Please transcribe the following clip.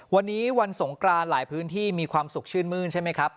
วันนี้วันสงกรานหลายพื้นที่มีความสุขชื่นมื้นใช่ไหมครับ